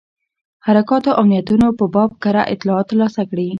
حرکاتو او نیتونو په باب کره اطلاعات ترلاسه کړي.